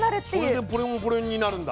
それでこれもこれになるんだ。